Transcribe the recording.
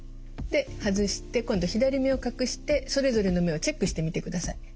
で外して今度は左目を隠してそれぞれの目をチェックしてみてください。